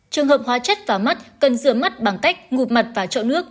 trường hợp hóa chất vào mắt cần rửa mắt bằng cách ngụp mặt vào trộn nước